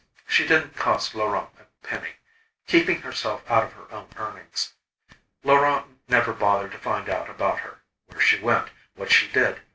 She didn't cost Laurent a penny, keeping herself out of her own earnings. Laurent never bothered to find out about her, where she went, what she did.